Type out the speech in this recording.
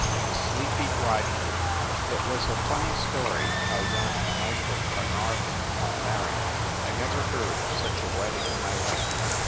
THE SLEEPY BRIDEGROOM It was a funny story how young Michael Carnar von got married. I never heard of such a wedding in my life.